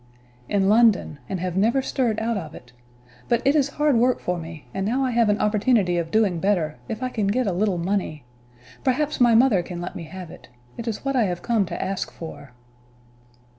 "In London, and have never stirred out of it. But it is hard work for me, and now I have an opportunity of doing better, if I can get a little money. Perhaps my mother can let me have it; it is what I have come to ask for."